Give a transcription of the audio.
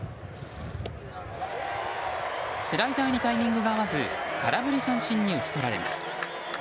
スライダーにタイミングが合わず空振り三振に打ち取られます。